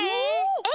え？